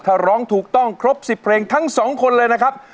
ถ้าร้องถูกต้องครบ๑๐เพลงทั้งสองคนเลยนะครับ